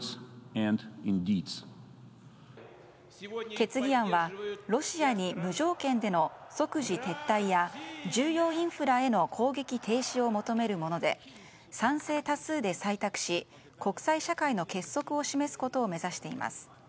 決議案はロシアに無条件での即時撤退や重要インフラへの攻撃停止を求めるもので賛成多数で採択し国際社会の結束を示すことを目指しています。